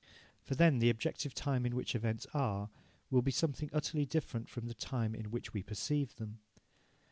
For then the objective time in which events are will be something utterly different from the time in which we perceive them.